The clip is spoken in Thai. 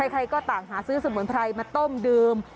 ใครก็ต่างหาซื้อสมุนไพรมาต้มดื่ม